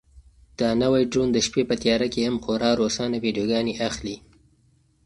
دا نوی ډرون د شپې په تیاره کې هم خورا روښانه ویډیوګانې اخلي.